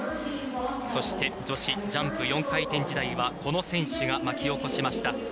そして、女子ジャンプ４回転時代はこの選手が巻き起こしました。